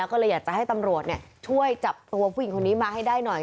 ก็เลยอยากจะให้ตำรวจช่วยจับตัวผู้หญิงคนนี้มาให้ได้หน่อย